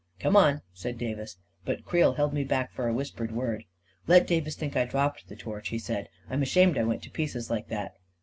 " Come on," said Davis ; but Creel held me back for a whispered word. " Let Davis think I dropped the torch," he said. "I'm ashamed I went to pieces like that